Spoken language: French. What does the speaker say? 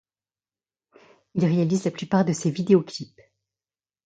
Il réalise la plupart de ses vidéos clips.